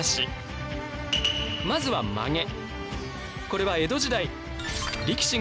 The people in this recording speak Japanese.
まずはまげ。